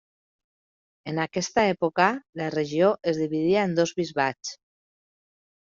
En aquesta època la regió es dividia en dos bisbats.